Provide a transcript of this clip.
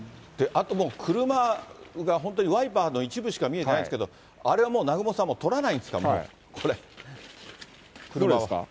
あともう、車が本当にワイパーの一部しか見えてないですけど、あれはもう南雲さん、取らないんですか、もう、これ、車は。